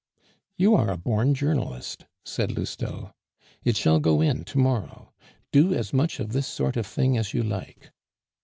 "You are a born journalist," said Lousteau. "It shall go in to morrow. Do as much of this sort of thing as you like."